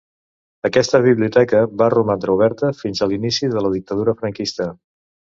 Aquesta biblioteca va romandre oberta fins a l'inici de la dictadura franquista.